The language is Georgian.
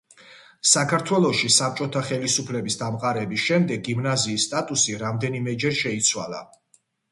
საქართველოში საბჭოთა ხელისუფლების დამყარების შემდეგ გიმნაზიის სტატუსი რამდენიმეჯერ შეიცვალა.